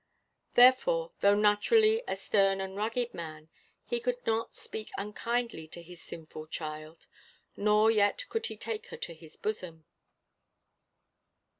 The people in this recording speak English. Therefore, though naturally a stern and rugged man, he could not speak unkindly to his sinful child, nor yet could he take her to his bosom.